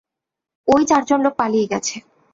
ওই চারজন লোক পালিয়ে গেছে।